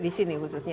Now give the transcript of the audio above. di sini khususnya